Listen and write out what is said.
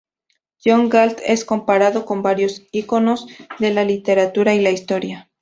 John Galt es comparado con varios íconos de la literatura y la historia.